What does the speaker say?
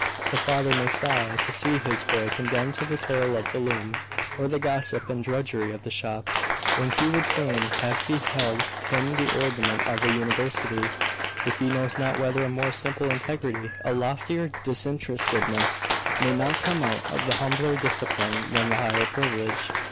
The father may sigh to see his boy condemned to the toil of the loom, or the gossip and drudgery of the shop, when he would fain have beheld him the ornament of a university; but he knows not whether a more simple integrity, a loftier disinterestedness, may not come out of the humbler discipline than the higher privilege.